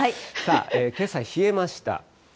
けさ冷えました。